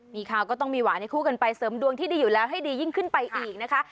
มีข่าวก็ต้องมีหวานให้คู่กันไปเสริมดวงที่ดีอยู่แล้วให้ดียิ่งขึ้นไปอีกนะคะ